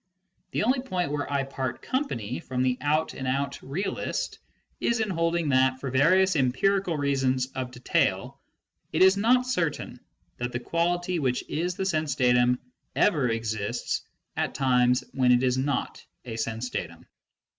The only point where I part company from the out and out realist is in holding that, for various empirical reasons of detail, it is not certain that the quality which is the sense datum ever exists at times when it is not a sense datum.